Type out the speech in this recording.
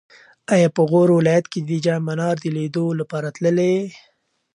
ایا په غور ولایت کې د جام منار د لیدو لپاره تللی یې؟